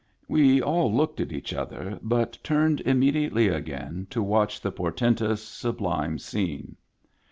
We all looked at each other, but turned im mediately again to watch the portentous, sublime scene.